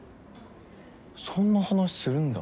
そんな話するんだ。